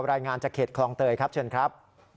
รายงานจากเขตคลองเตยครับเชิญครับ